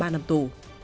ba năm tù